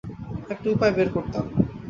একটা উপায় বের করতাম।